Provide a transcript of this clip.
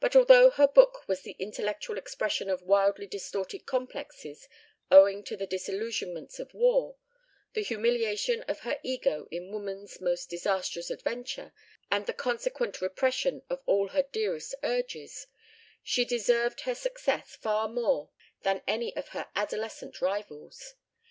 But although her book was the intellectual expression of wildly distorted complexes, owing to the disillusionments of war, the humiliation of her ego in woman's most disastrous adventure, and the consequent repression of all her dearest urges, she deserved her success far more than any of her adolescent rivals.